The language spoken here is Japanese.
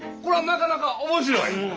こらなかなか面白い。